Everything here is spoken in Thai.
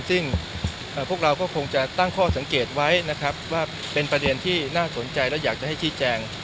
ซึ่งพวกเราก็คงจะตั้งข้อสังเกตไว้นะครับว่าเป็นประเด็นที่น่าสนใจและอยากจะให้ชี้แจง